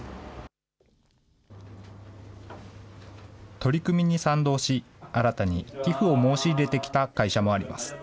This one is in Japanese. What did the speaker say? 取り組みに賛同し、新たに寄付を申し入れてきた会社もあります。